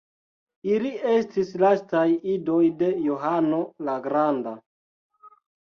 Ili estis lastaj idoj de Johano la Granda.